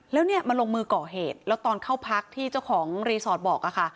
แล้วเนี่ยมาลงมือก่อเหตุแล้วตอนเข้าพักที่เจ้าของรีสอร์ทบอกค่ะ